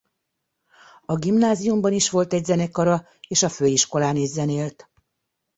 A gimnáziumban is volt egy zenekara és a főiskolán is zenélt.